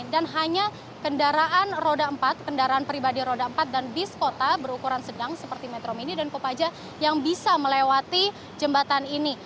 dan hanya kendaraan roda empat kendaraan pribadi roda empat dan bis kota berukuran sedang seperti metro mini dan kupaja yang bisa melewati jembatan ini